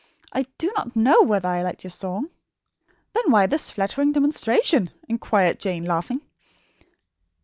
"I do not know whether I liked your song." "Then why this flattering demonstration?" inquired Jane, laughing.